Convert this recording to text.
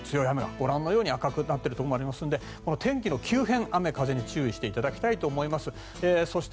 ご覧のように赤くなっているところもあるので天気の急変、雨風に注意していただきたいと思います。